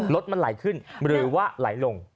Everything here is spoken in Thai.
รถมันไหลขึ้นหรือว่าไหลลง